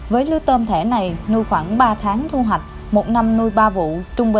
với lưu tôm thẻ này nuôi khoảng ba tháng thu hoạch một năm nuôi ba vụ